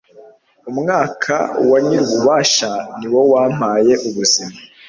umwuka wa nyir'ububasha ni wo wampaye ubuzima